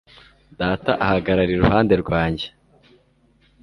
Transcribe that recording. Data ahagarara iruhande rwanjye